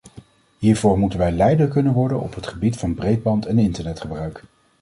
Hiervoor moeten wij leider kunnen worden op het gebied van breedband en internetgebruik.